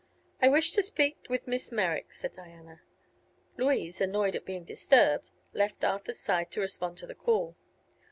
"I wish to speak with Miss Merrick," said Diana. Louise, annoyed at being disturbed, left Arthur's side to respond to the call.